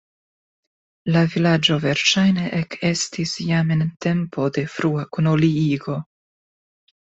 La vilaĝo verŝajne ekestis jam en tempo de frua koloniigo.